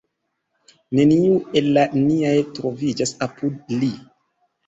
Neniu el la niaj troviĝas apud li.